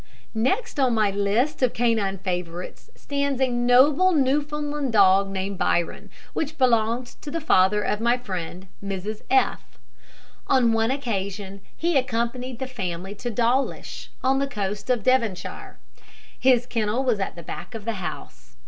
Next on my list of canine favourites stands a noble Newfoundland dog named Byron, which belonged to the father of my friend, Mrs F . On one occasion he accompanied the family to Dawlish, on the coast of Devonshire. His kennel was at the back of the house.